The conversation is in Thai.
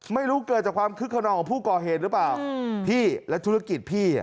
ไม่รู้เกิดจากความซึกครองของผู้ก่อเหตุหรือเปล่าอือเพียวดาวพี่และธุรกิจพี่